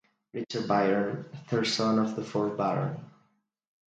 Richard Byron, third son of the fourth Baron.